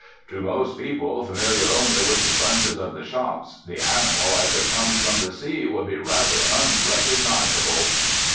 "To most people, familiar only with the sponges of the shops, the animal as it comes from the sea would be rather unrecognizable."